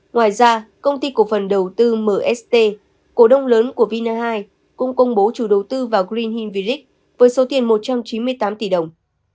ngoài ra công ty cổ phần đầu tư mst cổ đông lớn của vina hai cũng công bố chủ đầu tư vào green hingviri với số tiền một trăm chín mươi tám tỷ đồng